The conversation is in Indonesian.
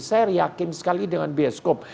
saya yakin sekali dengan bioskop